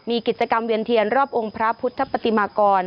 มีกิจกรรมเวียนเทียนรอบองค์พระพุทธปฏิมากร